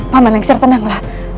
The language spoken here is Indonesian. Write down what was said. paman lengser tenanglah